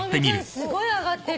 すごい上がってる。